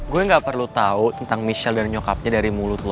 gue gak perlu tau tentang michelle dan nyokapnya dari mulut lo